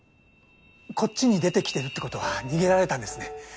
こっちに出てきてるって事は逃げられたんですね。